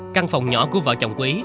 căn phòng nhỏ của vợ chồng quý